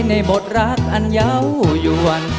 ในบทรักอันเยาวยวน